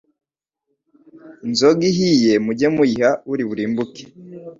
Inzoga ihiye mujye muyiha uri burimbuke